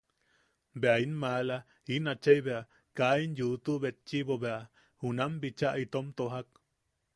Bea in maala, in achai bea, kaa in yuutu betchiʼibo bea junam bicha itom tojak.